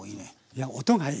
いや音がいい。